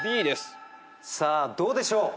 さあどうでしょう？